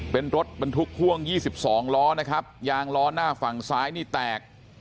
เป็นรถบรรทุกพ่วง๒๒ล้อนะครับยางล้อหน้าฝั่งซ้ายนี่แตก